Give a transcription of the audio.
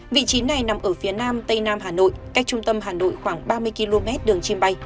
vị trí này nằm ở phía nam tây nam hà nội cách trung tâm hà nội khoảng ba mươi km đường chìm bay